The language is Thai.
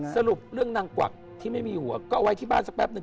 สรุปเรื่องนางกวักที่ไม่มีหัวก็เอาไว้ที่บ้านสักแป๊บนึ